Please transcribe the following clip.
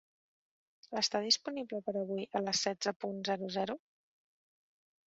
Està disponible per avui a les setze punt zero zero?